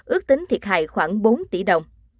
ước tính thiệt hại khoảng bốn tỷ đồng